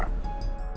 ini masalah besar